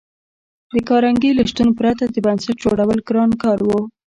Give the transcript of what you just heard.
د کارنګي له شتون پرته د بنسټ جوړول ګران کار و